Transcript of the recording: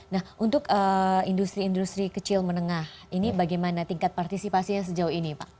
nah untuk industri industri kecil menengah ini bagaimana tingkat partisipasinya sejauh ini pak